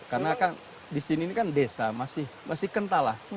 karena kan di sini kan desa masih kental lah